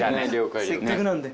せっかくなんで。